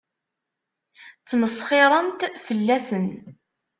Ttmesxiṛent fell-asen.